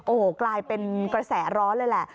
โอ้โหกลายเป็นกระแสร้อนเลยแหละ